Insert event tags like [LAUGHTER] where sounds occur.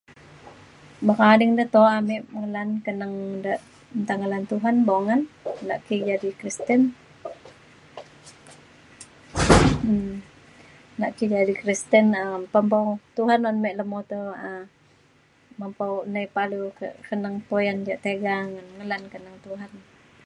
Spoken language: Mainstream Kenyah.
boka ading de, to'a mik ngelan teneng da' nta ngelan Tuhan, bongan naki jadi Kristen [NOISE] um naki jadi Kristian um pempau Tuhan un mik lemoto um mempau nai paliu ke keneng poyan ja tega ngan ngelan keneng Tuhan.